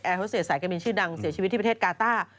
เขาเสียสายการบินชื่อดังเสียชีวิตที่ประเทศกาต้า